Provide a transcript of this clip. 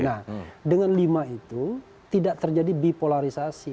nah dengan lima itu tidak terjadi bipolarisasi